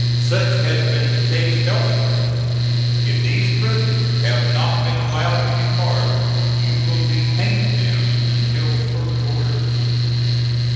Such has been the case elsewhere. If these prisoners have not been allowed to depart, you will detain them until further orders."